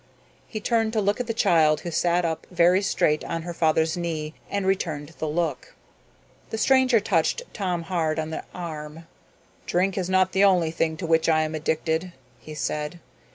He turned to look at the child who sat up very straight on her father's knee and returned the look. The stranger touched Tom Hard on the arm. "Drink is not the only thing to which I am addicted," he said.